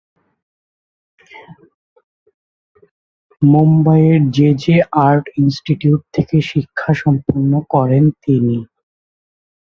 মুম্বাইয়ের J J art institute থেকে শিক্ষা সম্পূর্ণ করেন তিনি।